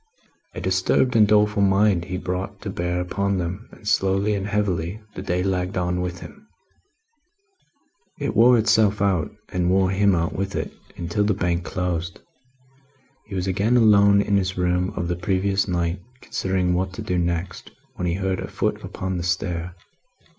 A disturbed and doleful mind he brought to bear upon them, and slowly and heavily the day lagged on with him. It wore itself out, and wore him out with it, until the Bank closed. He was again alone in his room of the previous night, considering what to do next, when he heard a foot upon the stair.